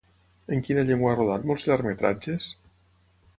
En quina llengua ha rodat molts llargmetratges?